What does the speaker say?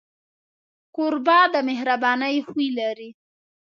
کوربه د مهربانۍ خوی لري.